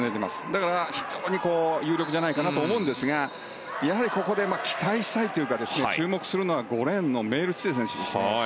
だから非常に有力じゃないかなと思うんですがここで期待したいというか注目するのは５レーンのメイルティテ選手ですね。